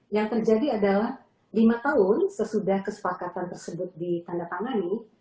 yang terjadi adalah lima tahun sesudah kesepakatan tersebut ditandatangani